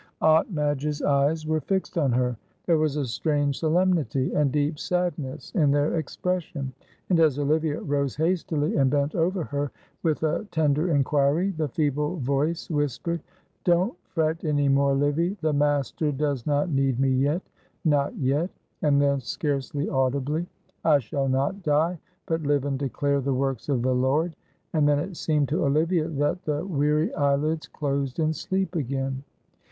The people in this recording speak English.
Aunt Madge's eyes were fixed on her; there was a strange solemnity and deep sadness in their expression, and as Olivia rose hastily and bent over her with a tender inquiry, the feeble voice whispered: "Don't fret any more, Livy, the Master does not need me yet not yet," and then scarcely audibly, "I shall not die, but live and declare the works of the Lord," and then it seemed to Olivia that the weary eyelids closed in sleep again.